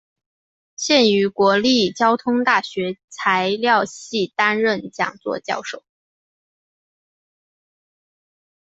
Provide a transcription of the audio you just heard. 现于国立交通大学材料系担任讲座教授。